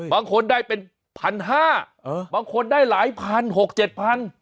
บางคนได้เป็นพันห้าบางคนได้หลายพันหกเจ็ดพัน